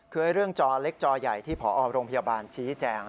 คือเรื่องจอเล็กจอใหญ่ที่ผอโรงพยาบาลชี้แจง